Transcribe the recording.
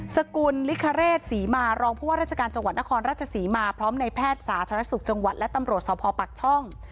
สกุลลิคเรศศรีมารองผู้ว่าราชการจังหวัดนครราชศรีมาพร้อมในแพทย์สาธารณสุขจังหวัดและตำรวจสภปักช่อง